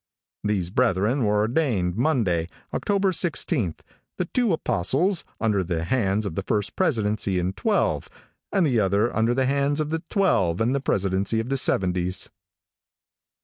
These brethren were ordained on Monday, October 16th, the two apostles, under the hands of the first presidency and twelve, and the other under the hands of the twelve and the presidency of the seventies."